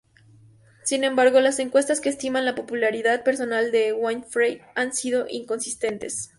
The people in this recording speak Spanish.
Sin embargo, las encuestas que estiman la popularidad personal de Winfrey han sido inconsistentes.